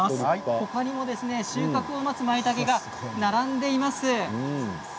ほかにも収穫を待つまいたけが並んでいます。